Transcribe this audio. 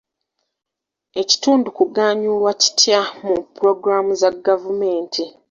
Ekitundu kuganyulwa kitya mu pulogulaamu za gavumenti?